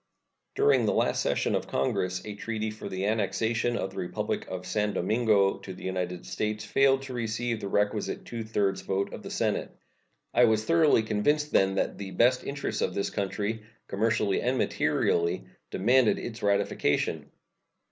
During the last session of Congress a treaty for the annexation of the Republic of San Domingo to the United States failed to receive the requisite two thirds vote of the Senate. I was thoroughly convinced then that the best interests of this country, commercially and materially, demanded its ratification.